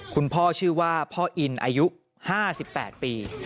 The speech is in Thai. คุณพ่อชื่อว่าพ่ออินอายุ๕๘ปี